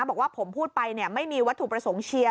บอกว่าผมพูดไปไม่มีวัตถุประสงค์เชียร์